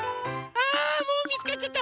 あもうみつかっちゃった。